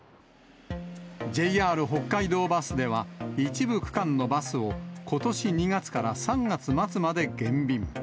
ジェイ・アール北海道バスでは、一部区間のバスをことし２月から３月末まで減便。